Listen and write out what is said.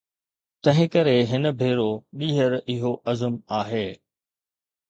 تنهنڪري هڪ ڀيرو ٻيهر اهو عزم آهي